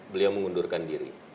beliau mengundurkan diri